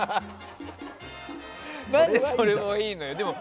何でそれはいいのよ？